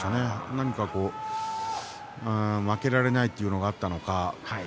なにか負けられないという気持ちがあったのか。